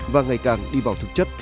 và ngày càng đi vào thực chất